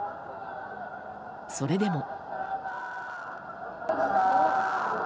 それでも。